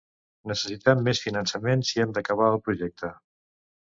Necessitem més finançament si hem d'acabar el projecte.